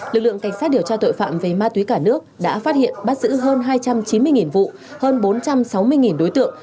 lực lượng cảnh sát điều tra tội phạm về ma túy cả nước đã phát hiện bắt giữ hơn hai trăm chín mươi vụ hơn bốn trăm sáu mươi đối tượng